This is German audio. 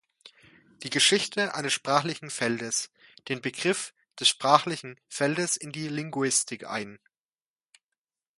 Die Geschichte eines sprachlichen Feldes" den Begriff des sprachlichen Feldes in die Linguistik ein.